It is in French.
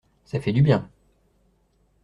Ça fait du bien.